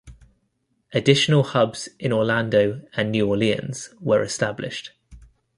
Additional hubs in Orlando and New Orleans were established.